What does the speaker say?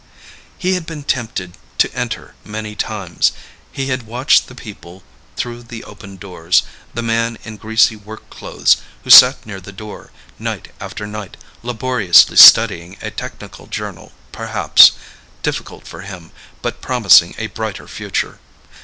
He had been tempted to enter many times. He had watched the people through the open doors, the man in greasy work clothes who sat near the door, night after night, laboriously studying, a technical journal perhaps, difficult for him, but promising a brighter future.